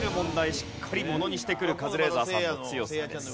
しっかりものにしてくるカズレーザーさんの強さです。